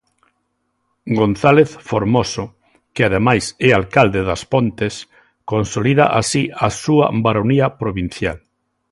González Formoso, que ademais é alcalde das Pontes, consolida así a súa baronía provincial.